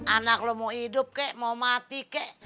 anak lo mau hidup kek mau mati kek